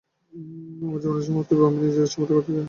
আমার জীবনের সমাপ্তি আমি নিজের ইচ্ছামত করতে চাই।